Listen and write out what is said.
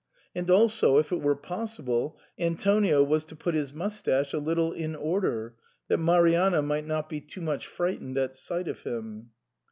And also, if it were possible, Antonio was to put his moustache a little in order, that Marianna might not be too much frightened at sight of him.